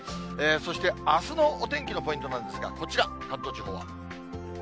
そしてあすのお天気のポイントなんですが、こちら、関東地方は。